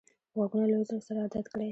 غوږونه له عذر سره عادت کړی